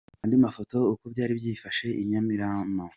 Andi mafoto uko byari byifashe i Nyamirama .